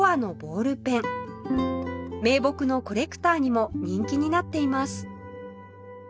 銘木のコレクターにも人気になっています